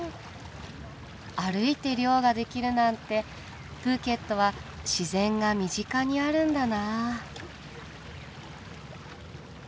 歩いて漁ができるなんてプーケットは自然が身近にあるんだなあ。